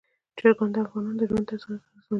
چرګان د افغانانو د ژوند طرز اغېزمنوي.